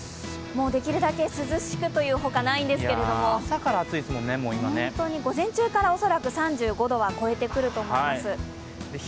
できるだけ涼しくというほかないんですけど、午前中から恐らく３５度は超えてくると思います。